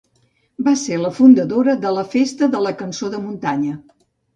Va ser la fundadora de la Festa de la cançó de muntanya.